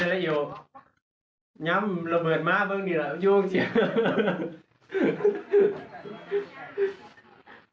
คิดเมืองก่อนว่าม้าเราปลิดอย่างไร